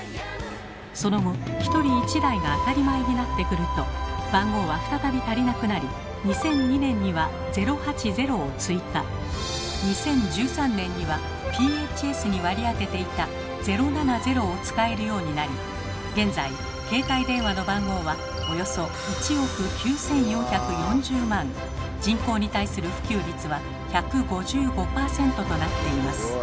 その後１人１台が当たり前になってくると番号は再び足りなくなり２０１３年にはＰＨＳに割り当てていた「０７０」を使えるようになり現在携帯電話の番号はおよそ人口に対する普及率は１５５％となっています。